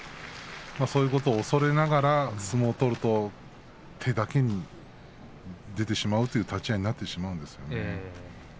そういうことを恐れながら相撲を取ると手だけが出てしまう立ち合いになってしまうんですよね。